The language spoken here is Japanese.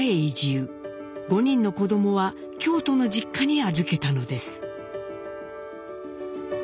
５人の子供は京都の実家に預けたのです。